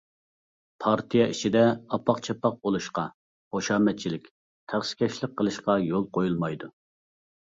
پارتىيە ئىچىدە ئاپاق-چاپاق بولۇشقا، خۇشامەتچىلىك، تەخسىكەشلىك قىلىشقا يول قويۇلمايدۇ.